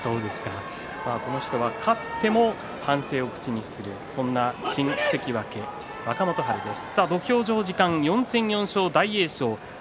この人は勝っても反省を口にするそんな新関脇、若元春です。